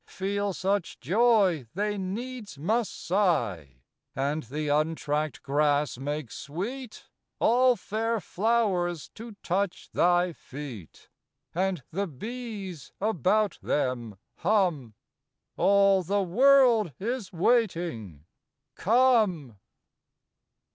8 I Feel such joy they needs must sigh, And the untracked grass makes sweet All fair flowers to touch thy feet, And the bees about them hum. All the world is waiting. Come